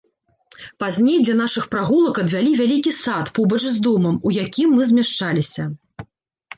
Пазней для нашых прагулак адвялі вялікі сад побач з домам, у якім мы змяшчаліся.